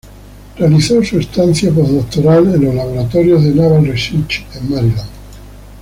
Realizó su estancia postdoctoral en los laboratorios de Naval Research en Maryland.